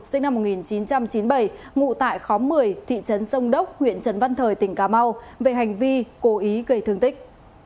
sinh năm một nghìn chín trăm chín mươi bảy ngụ tại khóm một mươi thị trấn sông đốc huyện trần văn thời tỉnh cà mau về hành vi cố ý gây thương tích